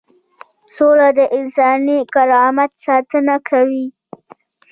سوله د انساني کرامت ساتنه کوي.